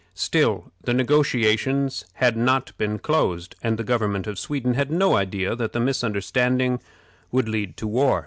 Still, the negotiations had not been closed, and the government of Sweden had no idea that the misunderstanding would lead to war.